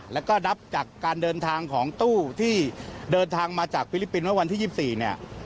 แล้วก็นับจากการเดินทางของตู้ที่เดินทางมาจากฟิลิปปินส์เมื่อวันที่๒๔เนี่ย